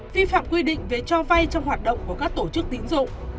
vi phạm quy định về cho vay trong hoạt động của các tổ chức tín dụng